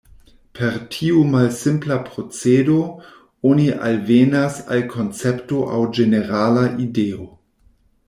Per tiu malsimpla procedo, oni alvenas al koncepto aŭ ĝenerala ideo.